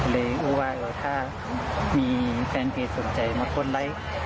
รู้ว่าถ้ามีแฟนเพจสนใจมากดไลค์